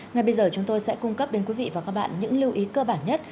ngay bây giờ chúng tôi sẽ cung cấp đến quý vị và các bạn những lưu ý cơ bản nhất